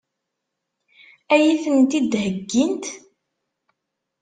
Ad iyi-tent-id-heggint?